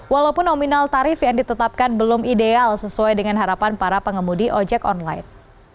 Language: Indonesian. walaupun nominal tarif yang ditetapkan belum ideal sesuai dengan harapan para pengemudi ojek online